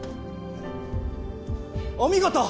お見事！